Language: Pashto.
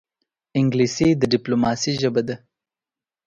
انګلیسي د ډیپلوماسې ژبه ده